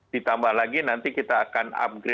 ditambah lagi nanti kita akan upgrade